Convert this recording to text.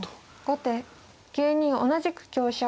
後手９二同じく香車。